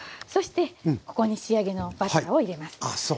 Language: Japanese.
そしてここに仕上げのバターを入れます。